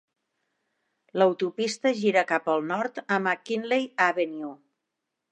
L'autopista gira cap al nord a McKinley Avenue.